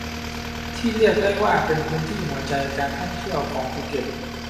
ที่เรียกได้ว่าเป็นพื้นที่หัวใจการท่องเที่ยวของภูเก็ต